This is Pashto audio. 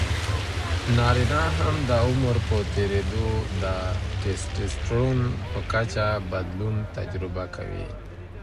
نارینه هم د عمر په تېریدو د ټیسټسټرون په کچه بدلون تجربه کوي.